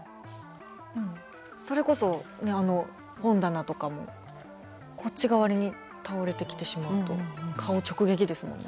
それこそあの本棚とかもこっち側に倒れてきてしまうと顔直撃ですもんね。